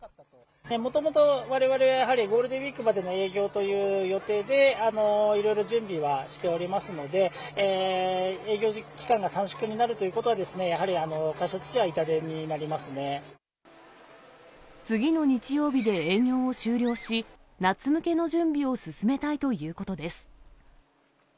もともとわれわれ、やはりゴールデンウィークまでの営業という予定で、いろいろ準備はしておりますので、営業期間が短縮になるということは、やはり会社としては痛手にな次の日曜日で営業を終了し、夏向けの準備を進めたいということです。